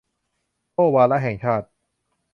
โอ้ วาระแห่งชาติ